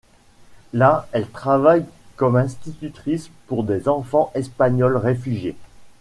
Là, elle travaille comme institutrice pour des enfants espagnols réfugiés.